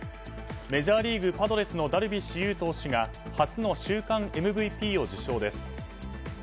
メジャーリーグパドレスのダルビッシュ有投手が初の週間ＭＶＰを受賞です。